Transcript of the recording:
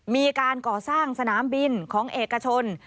มีการก่อสร้างสนามบินของเอกชน